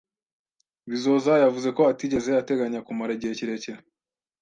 Bizoza yavuze ko atigeze ateganya kumara igihe kirekire.